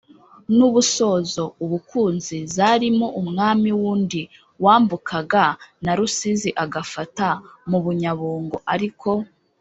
n’ubusozo- ubukunzi, zarimo umwami wundi wambukaga na rusizi agafata mu bunyabungo: ariko